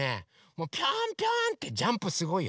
もうピョンピョンってジャンプすごいよ。